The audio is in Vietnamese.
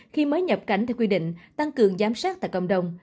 khi mới nhập cảnh theo quy định tăng cường giám sát tại cộng đồng